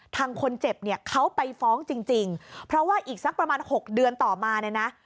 ทางคนเจ็บเนี่ยเขาไปฟ้องจริงจริงเพราะว่าอีกสักประมาณ๖เดือนต่อมาเนี่ยนะ